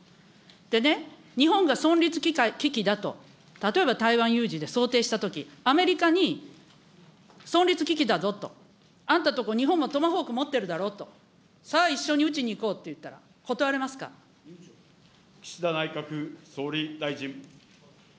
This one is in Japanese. でね、日本が存立危機だと、例えば台湾有事で想定したとき、アメリカに存立危機だぞと、あんたんとこ、日本もトマホーク持ってるだろと、さあ一緒に撃ちに行こうって言ったら、岸田内閣総理大臣。